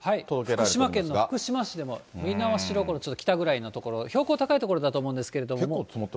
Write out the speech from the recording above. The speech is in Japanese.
福島県の福島市でも、猪苗代湖の北ぐらいの所、標高高い所だと思うんですけれども。